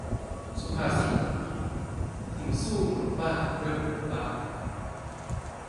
สุภาษิตวันนี้ : พึงสู้มนุษย์ป้าด้วยมนุษย์ป้า